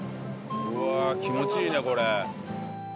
うわあ気持ちいいねこれ。